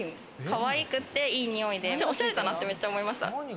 かわいくて、いいにおいでオシャレだなって、めっちゃ思いました。